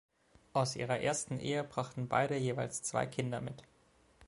Aus ihrer ersten Ehe brachten beide jeweils zwei Kinder mit.